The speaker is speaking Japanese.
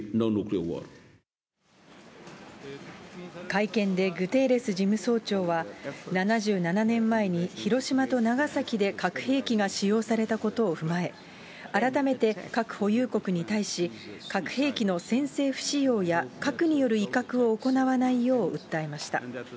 会見で、グテーレス事務総長は、７７年前に、広島と長崎で核兵器が使用されたことを踏まえ、改めて核保有国に対し、核兵器の先制不使用や核による威嚇を行わないよう訴えました。